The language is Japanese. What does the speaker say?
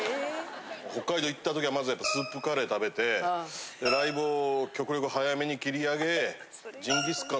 北海道行った時はまずやっぱスープカレー食べてライブを極力早めに切り上げジンギスカン